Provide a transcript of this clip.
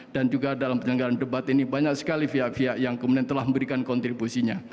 dan juga dalam penyelenggaraan debat ini banyak sekali fiak fiak yang kemudian telah memberikan kontribusinya